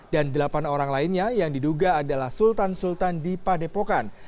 dan delapan orang lainnya yang diduga adalah sultan sultan di padepokan